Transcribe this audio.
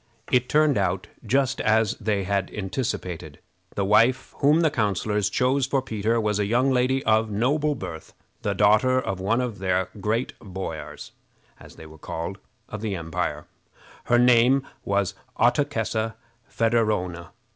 It turned out just as they had anticipated. The wife whom the councilors chose for Peter was a young lady of noble birth, the daughter of one of the great boiars, as they were called, of the empire. Her name was Ottokessa Federowna.